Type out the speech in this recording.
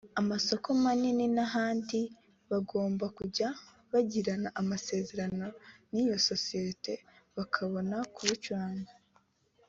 amasoko manini (Super market) n’ahandi bagomba kujya bagirana amasezerano n’iyo Sosiyete bakabona kubicuranga